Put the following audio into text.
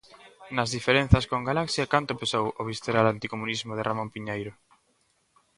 Nas diferenzas con Galaxia, canto pesou o visceral anticomunismo de Ramón Piñeiro?